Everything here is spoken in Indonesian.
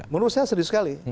menurut saya serius sekali